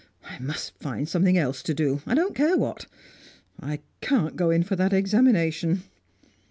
I must find something else to do I don't care what. I can't go in for that examination."